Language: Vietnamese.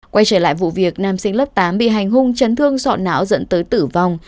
quay trở lại vụ việc nam sinh lớp tám bị hành hung chấn thương sọn não dẫn tới tử vong